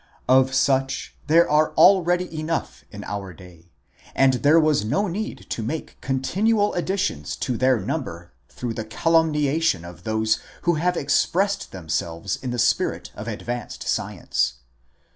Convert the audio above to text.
Of such there are already enough in our day, and there was no need to make continual additions to their number through the calumniation of those who have expressed themselves in the spirit of advanced science.